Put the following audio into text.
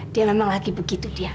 dia memang lagi begitu dia